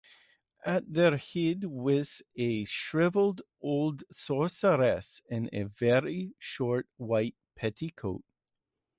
At their head was a shrivelled old sorceress in a very short white petticoat.